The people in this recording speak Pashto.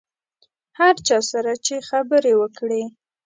هر چا سره چې خبره وکړې.